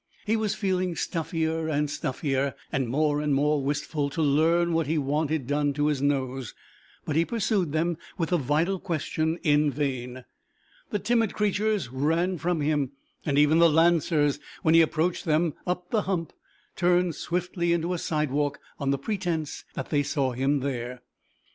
He was feeling stuffier and stuffier, and more and more wistful to learn what he wanted done to his nose, but he pursued them with the vital question in vain; the timid creatures ran from him, and even the Lancers, when he approached them up the Hump, turned swiftly into a side walk, on the pretence that they saw him there.